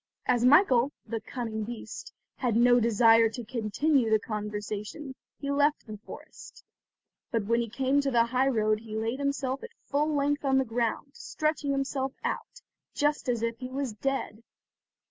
As Michael, the cunning beast, had no desire to continue the conversation, he left the forest; but when he came to the high road he laid himself at full length on the ground, stretching himself out, just as if he was dead.